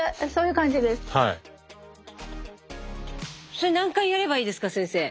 それ何回やればいいですか先生。